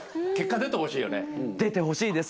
覆个拭出てほしいです。